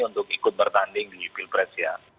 untuk ikut bertanding di pilpres ya